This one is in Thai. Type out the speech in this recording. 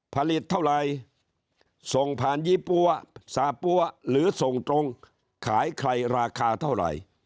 ผลิตเท่าไรส่งผ่านยี่ปั้วสาปั้วหรือส่งตรงขายใครราคาเท่าไหร่